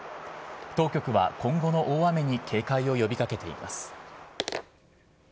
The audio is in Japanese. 当局は今後の大雨に警戒を呼びかけています。